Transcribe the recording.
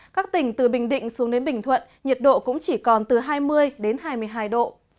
các tỉnh từ bình định xuống đến bình thuận nhiệt độ cũng chỉ còn từ hai mươi hai mươi hai độ